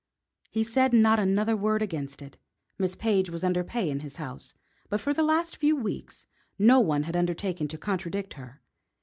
He said not another word against it. Miss Page was under pay in his house, but for the last few weeks no one had undertaken to contradict her.